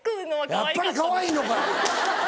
やっぱりかわいいのかい！